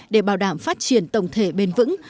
để bảo đảm phát triển tổng thể bền vững